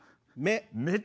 「め」。